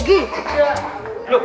eh eh enggak enggak